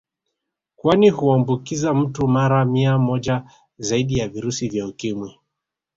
Kwani huambukiza mtu mara mia moja zaidi ya virusi vya Ukimwi